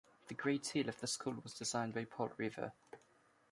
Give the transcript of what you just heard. The great seal of the school was designed by Paul Revere.